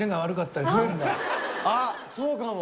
あっそうかも！